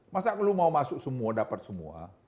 masa lalu mau masuk semua dapat semua